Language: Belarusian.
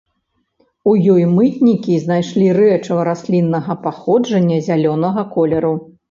У ёй мытнікі знайшлі рэчыва расліннага паходжання зялёнага колеру.